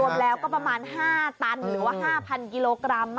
รวมแล้วก็ประมาณ๕ตันหรือว่า๕๐๐กิโลกรัม